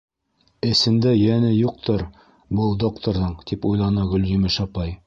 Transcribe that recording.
«Эсендә йәне юҡтыр был докторҙың», - тип уйланы Гөлйемеш апай.